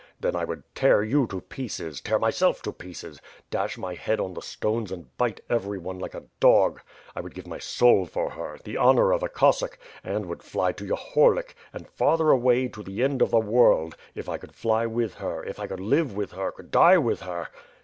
"Then I would tear you to pieces; tear myself to pieces; dash my head on the stones and bite everyone like a dog. I would give my soul for her, the honor of a Cossack; and would fly to Yahorlik, and farther away, to the end of the world; if I could fly with her, if I could live with her, could die with her!"